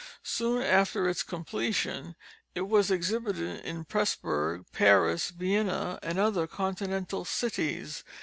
{2*} Soon after its completion it was exhibited in Presburg, Paris, Vienna, and other continental cities.